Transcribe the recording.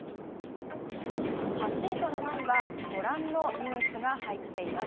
８位と７位はご覧のニュースが入っています。